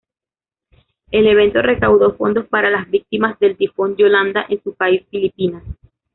El evento recaudó fondos para las víctimas del tifón Yolanda en su país Filipinas.